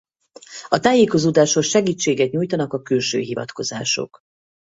A tájékozódáshoz segítséget nyújtanak a külső hivatkozások.